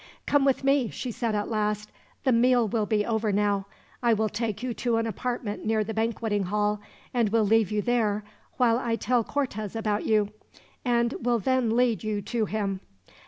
"Come with me," she said at last. "The meal will be over, now. I will take you to an apartment near the banqueting hall, and will leave you there while I tell Cortez about you, and will then lead you to him."